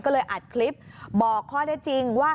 ก็เลยอัดคลิปบอกข้อได้จริงว่า